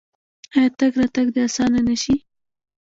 آیا تګ راتګ دې اسانه نشي؟